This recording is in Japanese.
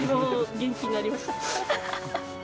元気になりました。